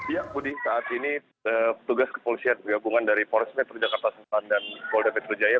ya budi saat ini tugas kepolisian bergabungan dari polis metro jakarta sengkawang dan polda metro jaya